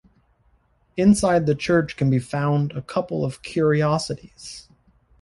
Inside the church can be found a couple of curiosities.